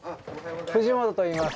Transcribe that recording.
藤本といいます。